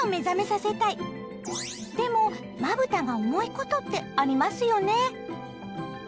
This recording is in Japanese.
でもまぶたが重いことってありますよね。